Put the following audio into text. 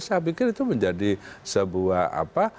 saya pikir itu menjadi sebuah apa